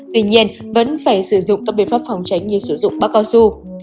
tuy nhiên vẫn phải sử dụng các biện pháp phòng tránh như sử dụng bắc cao su